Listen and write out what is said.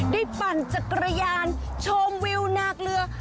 ปั่นจักรยานชมวิวนาคเรือ